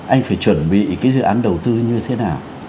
anh phải chuẩn bị cái dự án đầu tư như thế nào